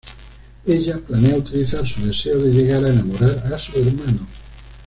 Ella planea utilizar su deseo de llegar a enamorar a su hermano.